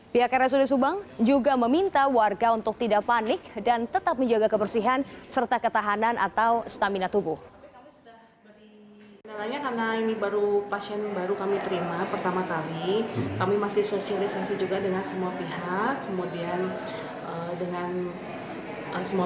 pihak rsud subang juga meminta warga untuk tidak panik dan tetap menjaga kebersihan serta ketahanan atau stamina tubuh